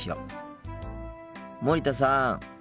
森田さん。